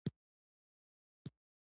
متضادو تفسیرونو سره رامیدان ته شو.